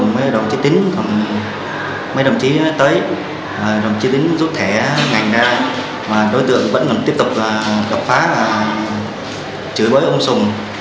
mấy đồng chí tới đồng chí tính giúp thẻ ngành ra đối tượng vẫn còn tiếp tục gặp phá chửi bới ông sùng